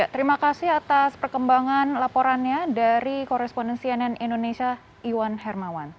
terima kasih atas perkembangan laporannya dari koresponden cnn indonesia iwan hermawan